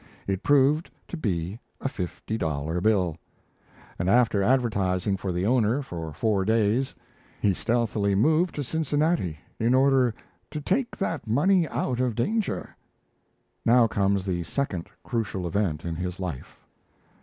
It proved to be a fifty dollar bill; and after advertising for the owner for four days, he stealthily moved to Cincinnati in order "to take that money out of danger." Now comes the second crucial event in his life!